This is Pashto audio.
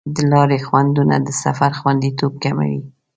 د لارې خنډونه د سفر خوندیتوب کموي.